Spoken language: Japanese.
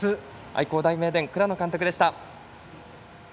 愛工大名電、倉野監督でした。